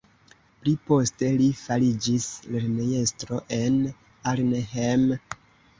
Pliposte li fariĝis lernejestro en Arnhem.